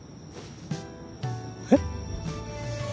えっ。